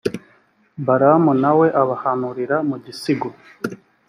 balamu na we abahanurira mu gisigo